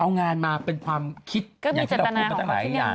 เอางานมาเป็นความคิดอย่างที่เราพูดมาตั้งหลายอย่าง